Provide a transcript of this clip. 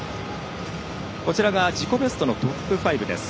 こちらが自己ベストのトップ５です。